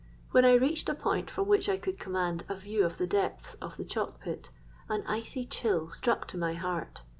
When I reached a point from which I could command a view of the depths of the chalk pit, an icy chill struck to my heart.